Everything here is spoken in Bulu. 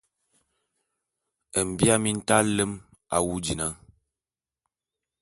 Mbia mintaé nlem awu dina!